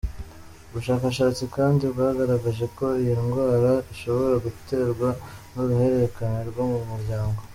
Ubushakashatsi kandi bwagaragaje ko iyi ndwara ishobora guterwa n’uruhererekane rwo mu muryango.